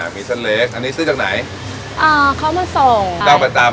มีเส้นเล็กอันนี้ซื้อจากไหนอ่าเขามาส่งเจ้าประจำ